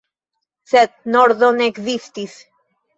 Sed nordo ne ekzistis.